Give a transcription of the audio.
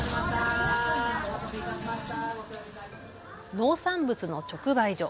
農産物の直売所。